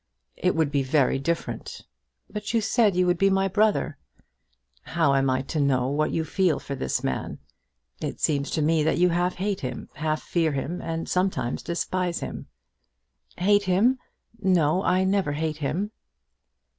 "It would be very different." "But you said you would be my brother." "How am I to know what you feel for this man? It seems to me that you half hate him, half fear him, and sometimes despise him." "Hate him! No, I never hate him."